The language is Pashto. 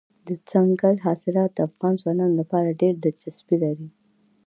دځنګل حاصلات د افغان ځوانانو لپاره ډېره دلچسپي لري.